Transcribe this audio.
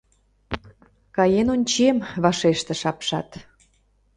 Каен ончем, — вашештыш апшат.